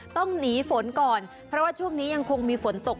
ต้องหนีฝนก่อนเพราะว่าช่วงนี้ยังคงมีฝนตก